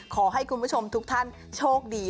ขอให้คุณผู้ชมทุกท่านโชคดี